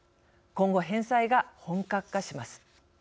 今後、返済が、本格化します。